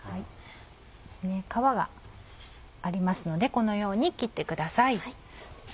皮がありますのでこのように切ってください。